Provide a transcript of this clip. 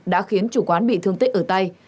đã khiến chủ quán bị thương tích ở tay